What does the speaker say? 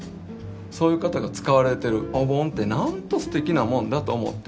そういう方が使われてるお盆ってなんとすてきなもんだと思って。